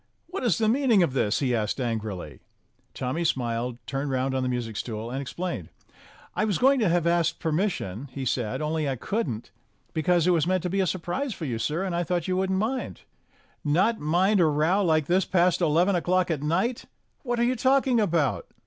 "What is the meaning of this?" he asked angrily. Tommy smiled, turned round on the music stool, and explained. "I was going to have asked permission," he said, "only I couldn't, because it was meant to be a surprise for you, sir, and I thought you wouldn't mind." "Not mind a row like this past eleven o'clock at night ! What are you talking about?"